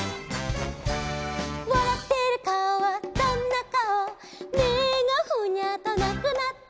「わらってるかおはどんなかお」「目がフニャーとなくなって」